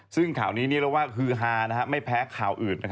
ซึ่งข่าวนี้เรียกว่าฮือฮาไม่แพ้ข่าวอื่น